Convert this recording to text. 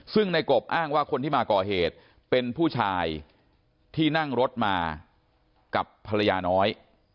ซึ่งในกบอ้างว่าคนที่มาก่อเหตุเป็นผู้ชายที่นั่งรถมากับภรรยาน้อย